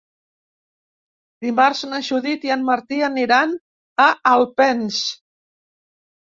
Dimarts na Judit i en Martí aniran a Alpens.